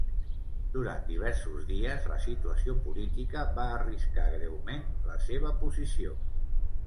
Durant diversos dies, la situació política va arriscar greument la seva posició.